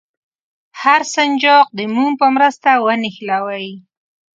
هر سنجاق د موم په مرسته ونښلوئ.